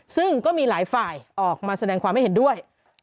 ซึ่งก็มีหลายฝ่ายออกมาแสดงความไม่เห็นด้วย